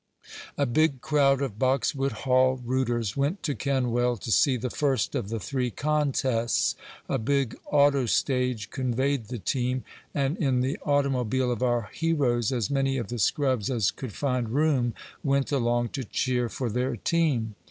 A big crowd of Boxwood Hall rooters went to Kenwell to see the first of the three contests. A big auto stage conveyed the team, and in the automobile of our heroes as many of the scrubs as could find room went along to cheer for their team.